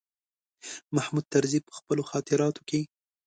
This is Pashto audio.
محمود طرزي په خپلو خاطراتو کې.